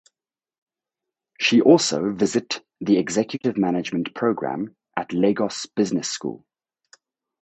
She also visit the Executive Management Programme at Lagos Business School.